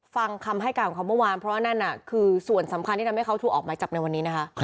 ฟังคำให้กล่าวของเขาเมื่อวาน